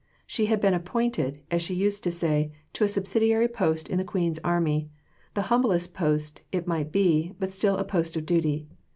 She had been appointed, as she used to say, to a subsidiary post in the Queen's Army; the humblest post, it might be, but still a post of duty.